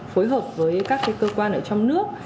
phối hợp với các cơ quan ở trong nước